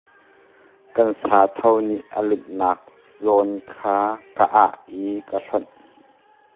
Kan sa tho nih a lunhnak zawn kha ka ah i ka hlonh.